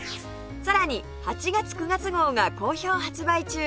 さらに８月９月号が好評発売中